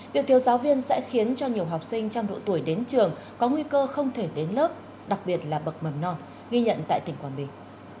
việc thiếu giáo viên sẽ khiến cho nhiều học sinh trong độ tuổi đến trường có nguy cơ không thể đến lớp đặc biệt là bậc mầm non ghi nhận tại tỉnh quảng bình